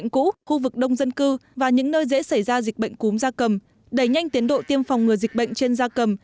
khu vực đông dân cư và những nơi dễ xảy ra dịch bệnh cúm gia cầm đẩy nhanh tiến độ tiêm phòng ngừa dịch bệnh trên gia cầm